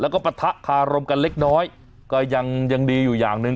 แล้วก็ปะทะคารมกันเล็กน้อยก็ยังยังดีอยู่อย่างหนึ่ง